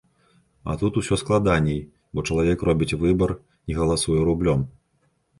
А тут усё складаней, бо чалавек робіць выбар і галасуе рублём!